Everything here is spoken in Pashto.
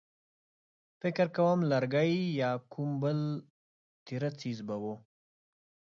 فکر کوم لرګی يا کوم بل تېره څيز به و.